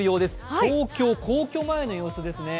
東京・皇居前の様子ですね。